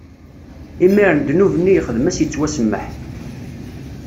Imiren ddnub-nni yexdem ad s-ittwasemmeḥ.